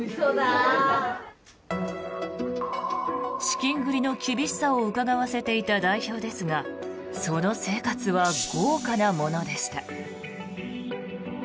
資金繰りの厳しさをうかがわせていた代表ですがその生活は豪華なものでした。